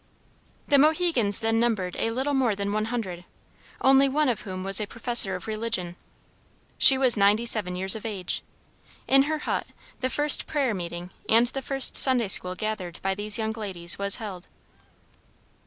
The Mohegans then numbered a little more than one hundred, only one of whom was a professor of religion. She was ninety seven years of age. In her hut the first prayer meeting and the first Sunday school gathered by these young ladies, was held.